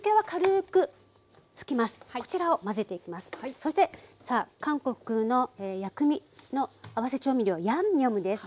そしてさあ韓国の薬味の合わせ調味量ヤンニョムです。